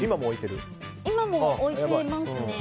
今も置いてますね。